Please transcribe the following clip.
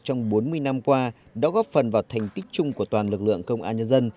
trong bốn mươi năm qua đã góp phần vào thành tích chung của toàn lực lượng công an nhân dân